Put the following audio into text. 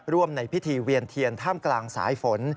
ในพิธีเวียนเทียนท่ามกลางสายฝน